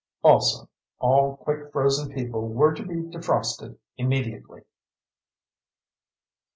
Also, all quick frozen people were to be defrosted immediately.